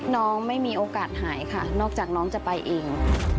น้องไม่มีโอกาสหายค่ะนอกจากน้องจะไปเอง